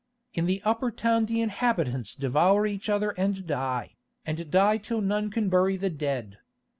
In the upper town the inhabitants devour each other and die, and die till none can bury the dead.